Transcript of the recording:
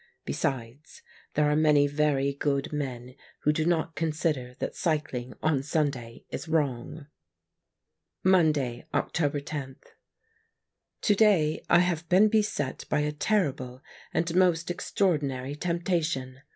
Besides, there are many very good 79 THE MAGNET men who do not consider that cycling on Sunday is wrong. Monday, October 10. — To day I have been beset by a terrible and most extraordinary temptation.